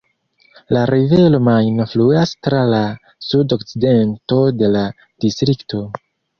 La rivero Majno fluas tra la sud-okcidento de la distrikto.